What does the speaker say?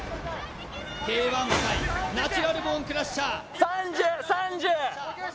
Ｋ−１界ナチュラルボーンクラッシャー３０３０